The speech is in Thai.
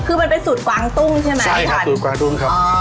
คือมันเป็นสูตรกวางตุ้งใช่ไหมพี่พันธุ์ใช่ครับสูตรกวางตุ้งครับ